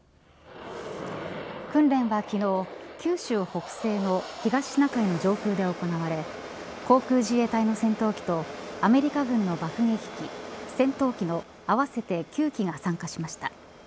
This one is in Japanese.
訓練は昨日九州北西の東シナ海の上空で行われ航空自衛隊の戦闘機とアメリカ軍の爆撃機、戦闘機の合わせて９機が参加しました。